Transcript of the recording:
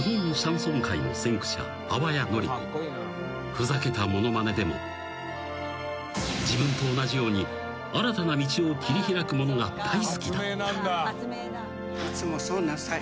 ［ふざけたものまねでも自分と同じように新たな道を切り開く者が大好きだった］